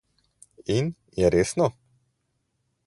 In, je resno?